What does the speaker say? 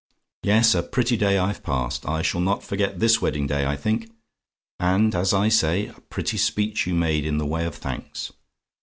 "Yes, a pretty day I've passed. I shall not forget this wedding day, I think! And as I say, a pretty speech you made in the way of thanks.